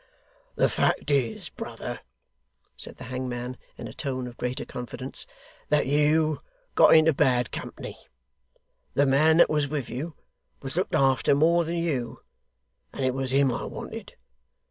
'The fact is, brother,' said the hangman, in a tone of greater confidence, 'that you got into bad company. The man that was with you was looked after more than you, and it was him I wanted.